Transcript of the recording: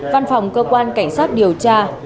văn phòng cơ quan cảnh sát điều tra